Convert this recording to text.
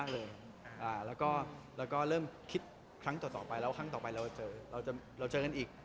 แล้วก็เริ่มคิดครั้งต่อไปแล้วครั้งต่อไปเราเจอกันอีก